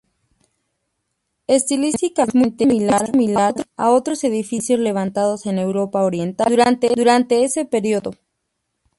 Estilísticamente es muy similar a otros edificios levantados en Europa Oriental durante ese período.